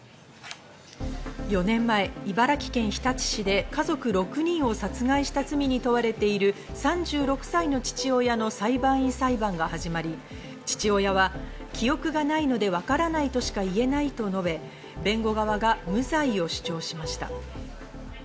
４年前、茨城県日立市で家族６人を殺害した罪に問われている３６歳の父親の裁判員裁判が始まり、父親は記憶がないので分からないとしか言えないと述べ、弁護側が無罪を主張しました。